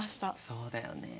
そうだよね。